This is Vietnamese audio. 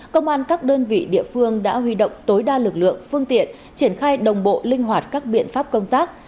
công an các đơn vị địa phương đã huy động tối đa lực lượng phương tiện triển khai đồng bộ linh hoạt các biện pháp công tác